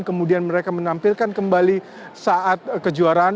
kemudian mereka menampilkan kembali saat kejuaraan